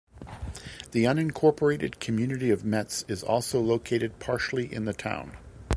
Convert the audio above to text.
The unincorporated community of Metz is also located partially in the town.